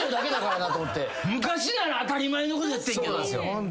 昔なら当たり前のことやってんけど。